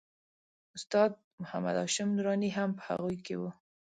استاد محمد هاشم نوراني هم په هغوی کې و.